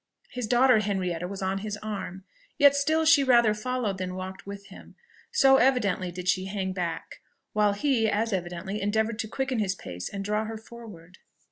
His daughter Henrietta was on his arm; yet still she rather followed than walked with him, so evidently did she hang back, while he as evidently endeavoured to quicken his pace and draw her forward.